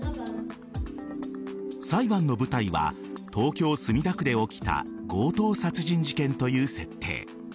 裁判の舞台は東京・墨田区で起きた強盗殺人事件という設定。